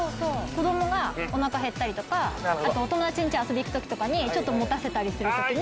子どもがおなか減ったりとかあとお友達んち遊び行く時とかにちょっと持たせたりする時に。